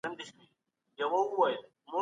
د ګوندونو سيالي تر نورو زياته توده وه.